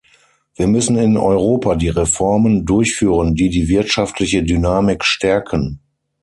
Wir müssen in Europa die Reformen durchführen, die die wirtschaftliche Dynamik stärken.